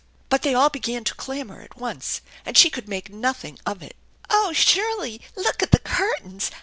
But they all began to clamor at once, and she could make nothing of it. " Oh Shirley, look at the curtains